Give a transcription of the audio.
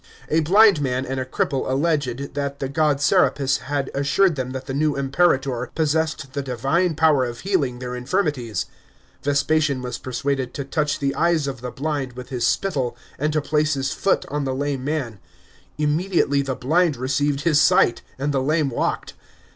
A blind man and a cripple alleged that the god Serapis had assured them that the new Imperator possessed the divine power of healing their infirmities. Vespasian was persuaded to touch the eyes of the blind with his spittle, and to place his foot on the lame man; immediately the blind r ceived his sight and the lame walked.